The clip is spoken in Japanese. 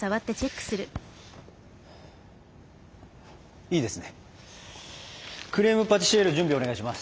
クレーム・パティシエール準備お願いします。